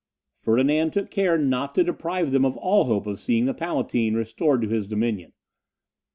Ferdinand took care not to deprive them of all hope of seeing the Palatine restored to his dominion.